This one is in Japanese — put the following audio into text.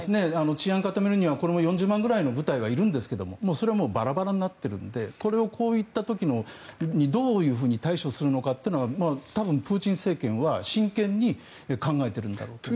治安を固めるには４０万ぐらいの部隊がいるんですがそれはもうバラバラになっているのでこういった時にどういうふうに対処するのかというのが多分プーチン政権は真剣に考えているんだろうと思います。